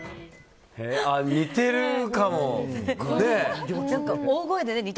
似てるかも。